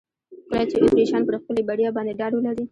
کله چې اتریشیان پر خپلې بریا باندې ډاډ ولري.